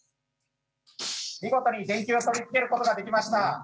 見事に電球を取り付けることができました。